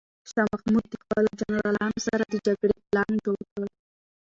شاه محمود د خپلو جنرالانو سره د جګړې پلان جوړ کړ.